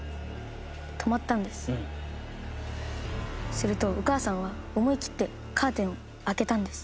するとお母さんは思い切ってカーテンを開けたんです。